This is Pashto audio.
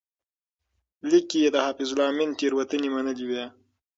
لیک کې یې د حفیظالله امین تېروتنې منلې وې.